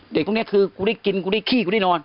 เด็กตรงเนี่ยคือกูได้กินกูได้ขี้กูได้นอน